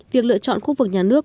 việc lựa chọn khu vực nhà nước